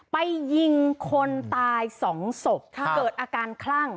ไปยิงคนตายสองศพเกิดอาการคลั่ง